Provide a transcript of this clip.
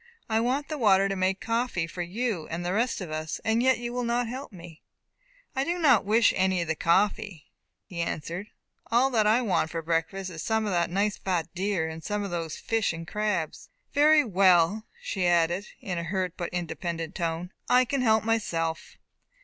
I want the water to make coffee for you, and the rest of us, and yet you will not help me." "I do not wish any of the coffee," he answered. "All that I want for breakfast is some of that nice fat deer, and some of these fish and crabs." "Very well," she added, in a hurt but independent tone, "I can help myself."